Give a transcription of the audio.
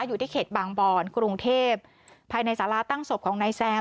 อยู่ที่เขตบางบอนกรุงเทพภายในสาราตั้งศพของนายแซม